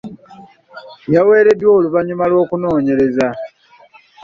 Yawereddwa oluvannyuma lw'okunoonyereza.